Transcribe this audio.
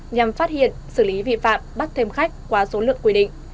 nhằm phát hiện xử lý vi phạm bắt thêm khách qua số lượng quy định